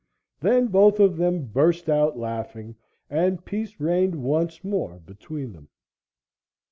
Then both of them burst out laughing and peace reigned once more between them.